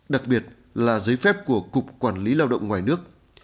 đặc biệt là giấy phép của cục quản lý lao động ngoài nước